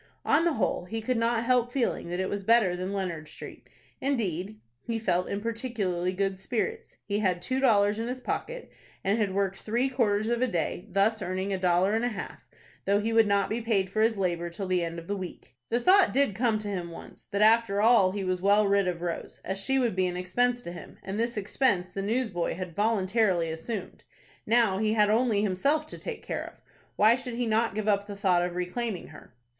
On the whole, he could not help feeling that it was better than Leonard Street. Indeed, he felt in particularly good spirits. He had two dollars in his pocket, and had worked three quarters of a day, thus earning a dollar and a half, though he would not be paid for his labor till the end of the week. The thought did come to him once, that after all he was well rid of Rose, as she would be an expense to him, and this expense the newsboy had voluntarily assumed. Now he had only himself to take care of. Why should he not give up the thought of reclaiming her?